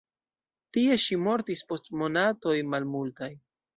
Tie ŝi mortis post monatoj malmultaj.